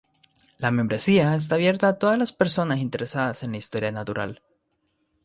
La membresía está abierta a todas las personas interesadas en la historia natural.